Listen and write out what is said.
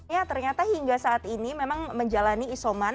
ya ternyata hingga saat ini memang menjalani isoman